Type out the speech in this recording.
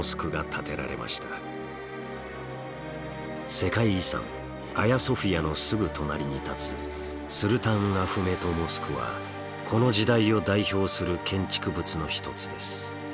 世界遺産アヤソフィアのすぐ隣に建つスルタンアフメト・モスクはこの時代を代表する建築物の一つです。